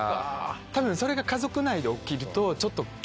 多分それが家族内で起きるとちょっと。